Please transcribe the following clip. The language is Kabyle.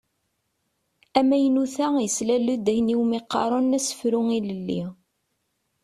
Amaynut-a yeslal-d ayen i wumi qqaren asefru ilelli.